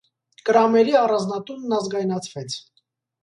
Կրամերի առանձնատունն ազգայնացվեց։